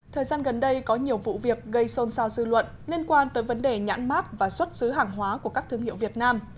thời gian gần đây có nhiều vụ việc gây xôn xao dư luận liên quan tới vấn đề nhãn mác và xuất xứ hàng hóa của các thương hiệu việt nam